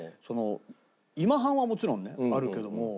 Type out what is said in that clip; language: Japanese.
今半はもちろんねあるけども。